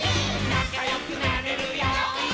なかよくなれるよ。